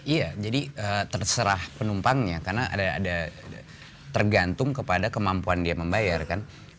iya jadi terserah penumpangnya karena ada tergantung kepada kemampuan dia membayar kan